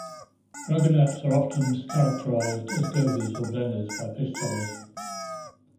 Dragonets are often mis-categorized as gobies or blennies by fish sellers.